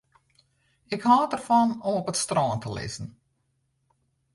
Ik hâld derfan om op it strân te lizzen.